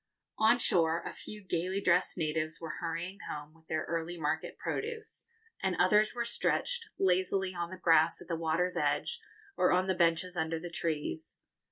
On shore, a few gaily dressed natives were hurrying home with their early market produce, and others were stretched lazily on the grass at the water's edge or on the benches under the trees.